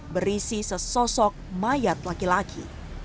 berisi sesosok mayat laki laki